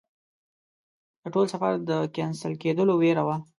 د ټول سفر د کېنسل کېدلو ویره وه.